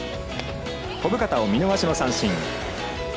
小深田を見逃しの三振。